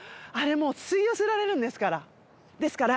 もう吸い寄せられるんですからですから